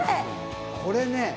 これね。